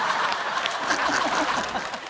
ハハハ